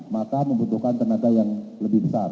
maka membutuhkan tenaga yang lebih besar